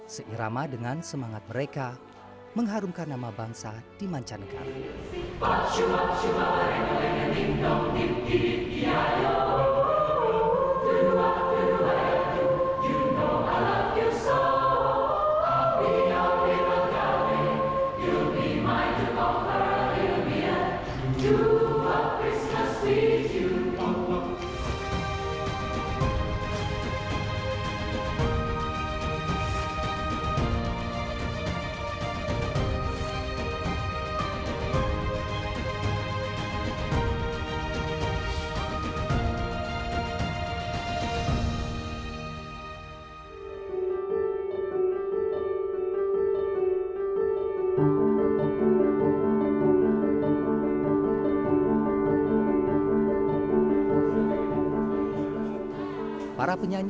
seirama dengan semangat mereka mengharumkan nama bangsa di mancanegara